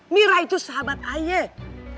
mira itu sahabat ayah